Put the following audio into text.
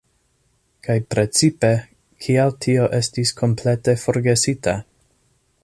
Kaj precipe, kial tio estis komplete forgesita?